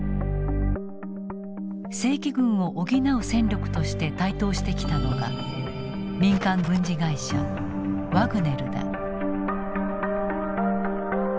正規軍を補う戦力として台頭してきたのが民間軍事会社ワグネルだ。